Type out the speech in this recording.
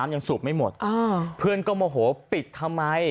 ยังสูบไม่หมดเพื่อนก็โมโหปิดทำไม